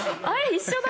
一緒だ！